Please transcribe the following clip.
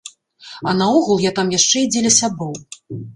А наогул я там яшчэ і дзеля сяброў.